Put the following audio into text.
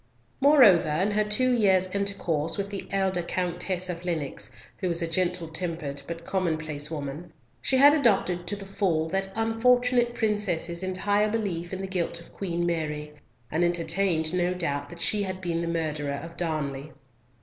Moreover, in her two years' intercourse with the elder Countess of Lennox, who was a gentle tempered but commonplace woman, she had adopted to the full that unfortunate princess's entire belief in the guilt of Queen Mary, and entertained no doubt that she had been the murderer of Darnley.